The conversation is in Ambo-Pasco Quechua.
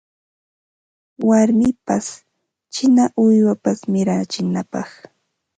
Warmipas china uywapas mirachinapaq